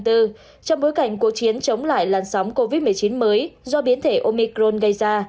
trong bối cảnh cuộc chiến chống lại làn sóng covid một mươi chín mới do biến thể omicron gây ra